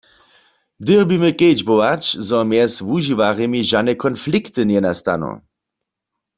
Dyrbimy kedźbować, zo mjez wužiwarjemi žane konflikty njenastanu.